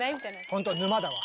ほんと沼だわ。